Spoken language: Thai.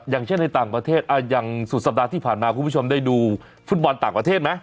อย่างเช่นในต่างประเทศอย่างสุดสัปดาห์ที่ผ่านมาคุณผู้ชมได้ดูฟุตบอลต่างประเทศไหม